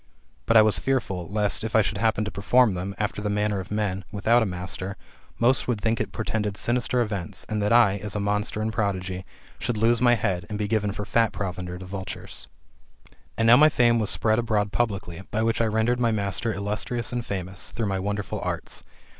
But I was fear* ful, Idst, if I should happen to perform them, af^er the manner GOLDEN ASS, OF APULEIUS. — BOOK X. iSl of men, without a master, most would think it portended sinister events, and that I, as a monster and prodigy, should lose my head, and be given for fat provender to vultures. And now my fame was spread abroad publicly, by which I rendered my master illustrious and famous, through my wonder ful arts.